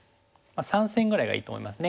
３線ぐらいがいいと思いますね。